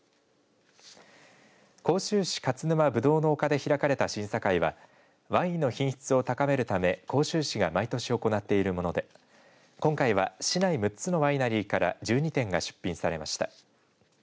甲州市勝沼ぶどうの丘で開かれた審査会はワインの品質を高めるため甲州市が毎年、行っているもので今回は市内６つのワイナリーから１２点が出品されました。